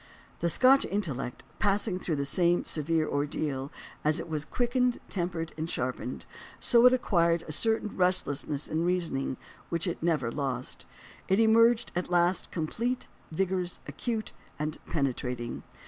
The Scotch intellect, passing through the same severe ordeal, as it was quickened, tempered, and sharpened, so it acquired a certain relentlessness in reasoning which it never lost. It emerged at last complete, vigorous, acute, and penetrating.